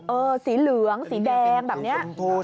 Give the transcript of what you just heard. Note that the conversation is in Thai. สีเหลืองสีแดงแบบนี้